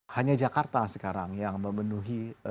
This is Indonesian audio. hanya jakarta sekarang yang membawa kewajiban